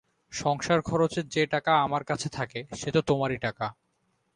সংসারখরচের যে-টাকা আমার কাছে থাকে, সে তো তোমারই টাকা।